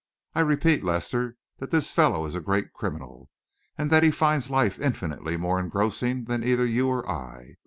I repeat, Lester, that this fellow is a great criminal, and that he finds life infinitely more engrossing than either you or I.